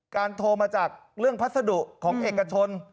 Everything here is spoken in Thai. โทรมาจากเรื่องพัสดุของเอกชน